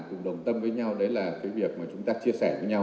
cùng đồng tâm với nhau đấy là cái việc mà chúng ta chia sẻ với nhau